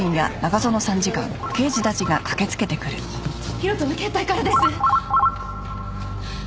広斗の携帯からです。